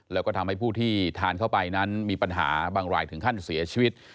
แล้วก็ทำให้ผู้ที่ทานเข้าไปนั้นมีปัญหาบางรายถึงขั้นเสียชีวิต